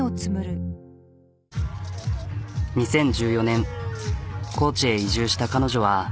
２０１４年高知へ移住した彼女は。